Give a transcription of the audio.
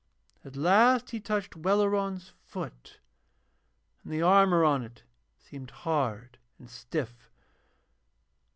At last he touched Welleran's foot, and the armour on it seemed hard and stiff.